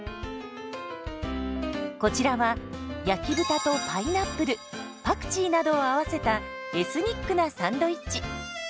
こちらは焼き豚とパイナップルパクチーなどを合わせたエスニックなサンドイッチ。